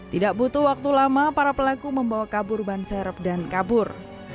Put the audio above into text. tidak butuh waktu lama para pelaku membawa kabur ban serep dan kabur